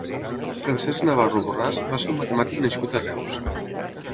Francesc Navarro Borràs va ser un matemàtic nascut a Reus.